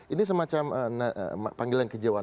ini semacam panggilan kejauhan